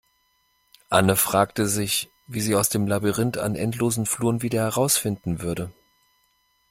Anne fragte sich, wie sie aus dem Labyrinth an endlosen Fluren wieder herausfinden würde.